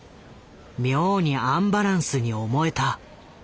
妙にアンバランスに思えた。